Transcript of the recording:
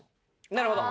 なるほど。